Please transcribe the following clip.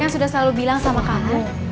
saya sudah selalu bilang sama kamu